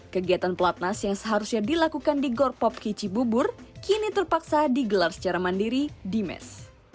kegiatan pelatnas yang seharusnya dilakukan di gorpopki cibubur kini terpaksa digelar secara mandiri di mes